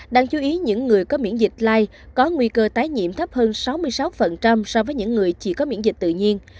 đáng chú ý những người có miễn dịch lai có nguy cơ tái nhiễm thấp hơn sáu mươi sáu so với những người chỉ có miễn dịch tự nhiên